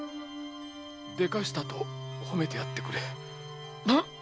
「でかした」と褒めてやってくれ。